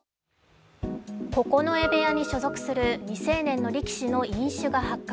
九重部屋に所属する未成年の力士の飲酒が発覚。